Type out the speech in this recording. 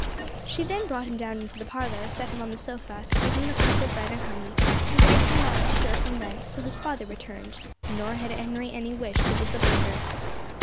She then brought him down into the parlour, set him on the sofa, gave him a piece of bread and honey, and begged him not to stir from thence till his father returned; nor had Henry any wish to disobey her.